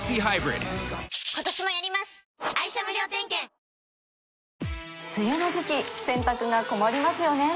三菱電機梅雨の時期洗濯が困りますよね